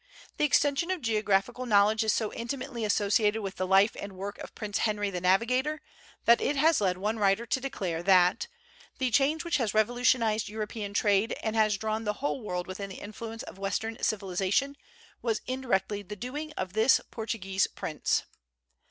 The extension of geographical knowledge is so intimately associated with the life and work of Prince Henry the Navigator, that it has led one writer to declare that "the change which has revolutionized European trade and has drawn the whole world within the influence of Western civilization was indirectly the doing of this Portuguese prince."